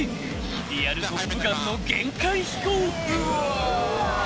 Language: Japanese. ［リアル『トップガン』の限界飛行］